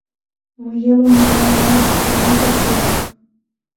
Вуемым руалаш пуэм — ок лек.